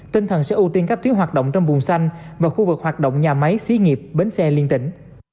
tinh thần sẽ ưu tiên các tuyến hoạt động trong vùng xanh và khu vực hoạt động nhà máy xí nghiệp bến xe liên tỉnh